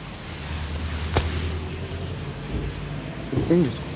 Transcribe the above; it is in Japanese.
いいんですか？